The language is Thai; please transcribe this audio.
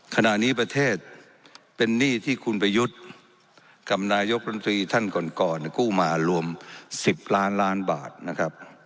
ขณะนี้ประเทศเป็นหนี้ที่คุณประยุทธ์กับนายกรมตรีท่านก่อนก่อนกู้มารวม๑๐ล้านล้านบาทนะครับ